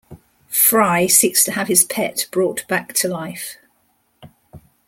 Fry seeks to have his pet brought back to life.